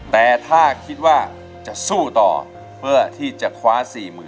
แต่ถ้าคิดว่าจะสู้ต่อเพื่อที่จะคว้า๔๐๐๐